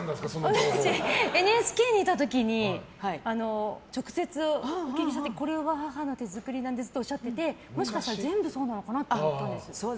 ＮＨＫにいた時に直接、お聞きした時これは母の手作りなんですっておっしゃってもしかしたら全部そうなのかなって思ったんです。